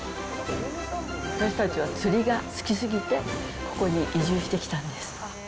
私たちは釣りが好きすぎて、ここに移住してきたんです。